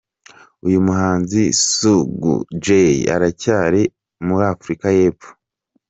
Uyu muhanzi Sugu Jay aracyari muri Afurika y’Epfo.